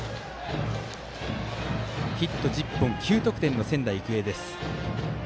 ヒット１０本、９得点の仙台育英。